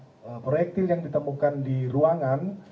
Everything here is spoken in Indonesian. dan proyektil yang ditemukan di ruangan